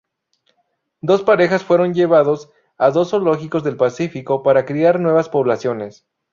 Dos parejas fueron llevados a dos zoológicos del Pacífico para criar nuevas poblaciones.